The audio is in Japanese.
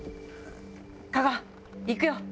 加賀行くよ！